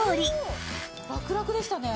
ラクラクでしたね。